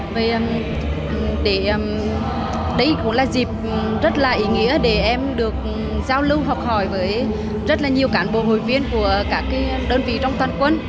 và đây cũng là dịp rất là ý nghĩa để em được giao lưu học hỏi với rất là nhiều cán bộ hội viên của các đơn vị trong toàn quân